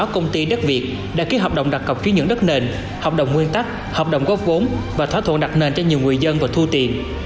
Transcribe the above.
công ty đất việt đã ký hợp đồng đặt cọc ký nhận đất nền hợp đồng nguyên tắc hợp đồng góp vốn và thỏa thuận đặt nền cho nhiều người dân và thu tiền